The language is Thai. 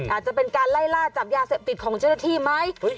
อาจจะเป็นการไล่ล่าจับยาเสพติดของเจ้าหน้าที่ไหม